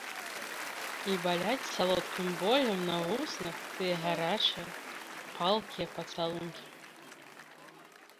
І баляць салодкім болем на вуснах тыя гарачыя, палкія пацалункі.